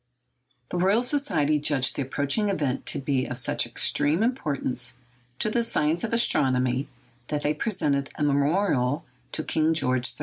The Royal Society judged the approaching event to be of such extreme importance to the science of astronomy that they presented a memorial to King George III.